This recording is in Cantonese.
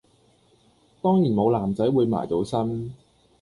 當然無男仔會埋到身